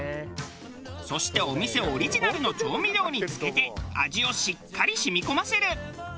そしてお店オリジナルの調味料に漬けて味をしっかり染み込ませる。